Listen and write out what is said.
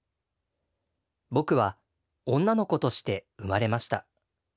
僕は女の子として産まれました。